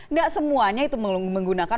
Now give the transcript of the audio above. nggak semuanya itu menggunakan